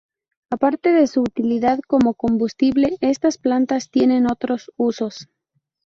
Aparte de su utilidad como combustible, estas plantas tiene otros usos.